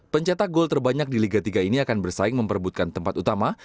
pencetak gol terbanyak di liga tiga ini akan bersaing memperbutkan tempat utama